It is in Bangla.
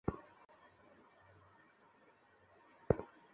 হে মুহাম্মদ, আল্লাহর আদেশ ব্যতীত একটি মশার রূহ কবয করার সাধ্যও আমার নেই।